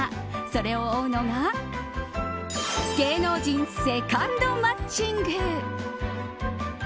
それを追うのが芸能人セカンド街ング。